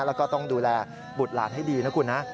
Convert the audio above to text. แล้วก็ต้องดูแลบุตรหลานให้ดีนะคุณนะ